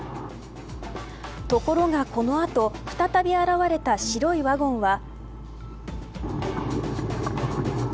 ところが、この後再び現れた白いワゴンは。